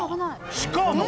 ［しかも］